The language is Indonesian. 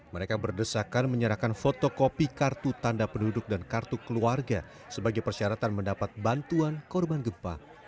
mereka berdesakan menyerahkan fotokopi kartu tanda penduduk dan kartu keluarga sebagai persyaratan mendapat bantuan korban gempa